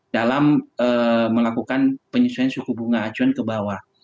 dalam melakukan penyesuaian suku bunga acuan ke bawah